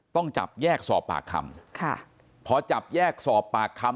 ต้องจับแยกสอบปากคำค่ะพอจับแยกสอบปากคำ